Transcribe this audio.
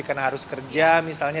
karena harus kerja misalnya